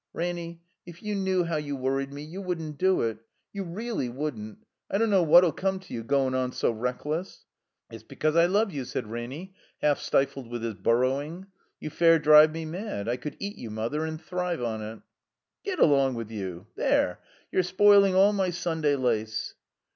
"Ranny, if you knew how you worried me, you wouldn't do it. You reelly wouldn't. I don't know what '11 come to you, goin' on so reckless." "It's because I love you," said Ranny, half 56 THE COMBINED MAZE stifled with his burrowing. *' You fair drive me mad. I could eat you, Mother, and thrive on it." "Get along with you! There! You're spoiling all my Sunday lace."